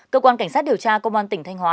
cơ quan cảnh sát điều tra công an tỉnh thanh hóa